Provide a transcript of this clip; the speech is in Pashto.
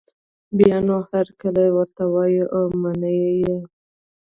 بیا نو هرکلی ورته وايي او مني یې